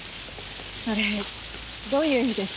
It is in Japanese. それどういう意味です？